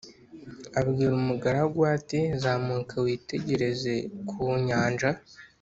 Abwira umugaragu we ati “Zamuka witegereze ku nyanja”